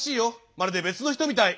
まるで別の人みたい。